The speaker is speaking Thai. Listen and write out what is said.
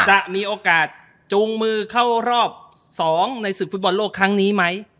จะมีโอกาสจูงมือเข้ารอบ๒ในศึกฟุตบอลโลกครั้งนี้ไหม